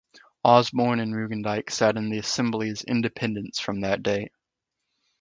Osborne and Rugendyke sat in the Assembly as independents from that date.